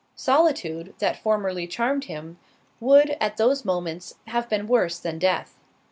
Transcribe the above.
Solitude, that formerly charmed him, would, at those moments, have been worse than death.